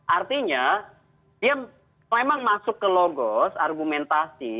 artinya dia memang masuk ke logos argumentasi